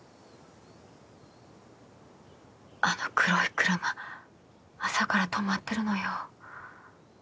あの黒い車朝から止まってるのよ。